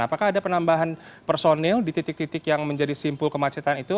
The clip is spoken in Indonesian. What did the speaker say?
apakah ada penambahan personil di titik titik yang menjadi simpul kemacetan itu